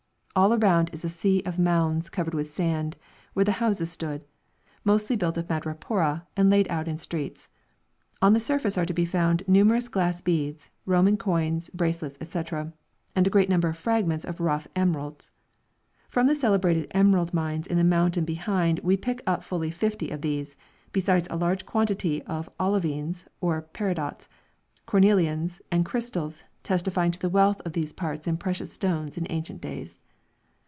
All around is a sea of mounds covered with sand, where the houses stood, mostly built of madrepore, and laid out in streets. On the surface are to be found numerous glass beads, Roman coins, bracelets, &c. and a great number of fragments of rough emeralds. From the celebrated emerald mines in the mountain behind we picked up fully fifty of these, besides a large quantity of olivines or peridots, cornelians, and crystals, testifying to the wealth of these parts in precious stones in ancient days.